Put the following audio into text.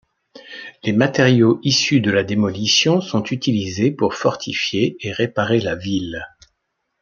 Les matériaux issus de la démolition sont utilisés pour fortifier et réparer la ville.